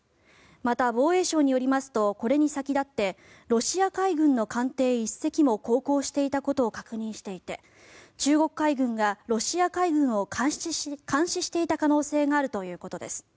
また、防衛省によりますとこれに先立ってロシア海軍の艦艇１隻も航行していたことを確認していて中国海軍がロシア海軍を監視していた可能性があるということです。